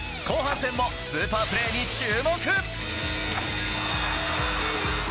後半戦もスーパープレーに注目。